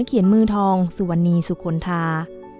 เขียนมือทองสุวรรณีสุคลทา